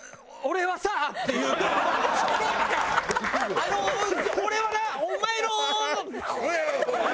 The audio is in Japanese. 「あの俺はなお前の」。